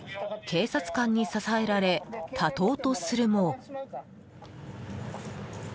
警察官に支えられ立とうとするも。